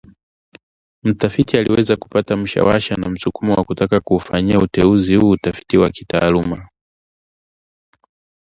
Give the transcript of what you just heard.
mtafiti aliweza kupata mshawasha na msukumo wa kutaka kuufanyia utenzi huu utafiti wa kitaaluma